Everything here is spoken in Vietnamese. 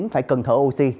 phải cần thở oxy